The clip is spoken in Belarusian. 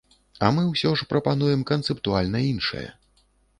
А мы ўсе ж прапануем канцэптуальна іншае.